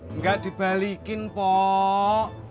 enggak dibalikin pok